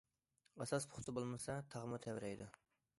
ئاساس پۇختا بولمىسا، تاغمۇ تەۋرەيدۇ.